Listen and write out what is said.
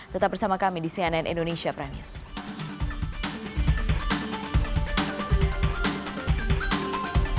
tetap bersama kami di cnn indonesia prime news